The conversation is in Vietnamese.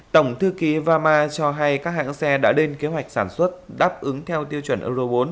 tổng thư ký vama cho hay các hãng xe đã lên kế hoạch sản xuất đáp ứng theo tiêu chuẩn euro bốn